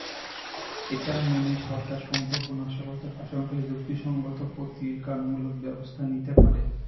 এটা মেনেই সরকার সম্ভাব্য নাশকতার আশঙ্কায় যুক্তিসংগত প্রতিকারমূলক ব্যবস্থা নিতে পারে।